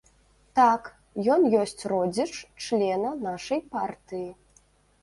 Так, ён ёсць родзіч члена нашай партыі.